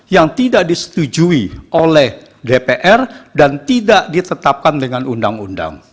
yang tidak disetujui oleh dpr dan tidak ditetapkan dengan undang undang